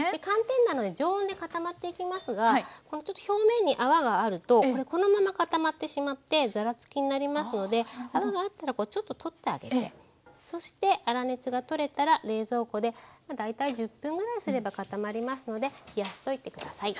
寒天なので常温で固まっていきますが表面に泡があるとこのまま固まってしまってざらつきになりますので泡があったらちょっと取ってあげてそして粗熱がとれたら冷蔵庫で大体１０分ぐらいすれば固まりますので冷やしといて下さい。